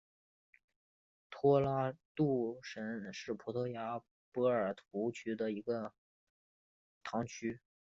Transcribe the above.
托拉杜什是葡萄牙波尔图区的一个堂区。